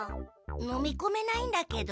のみこめないんだけど。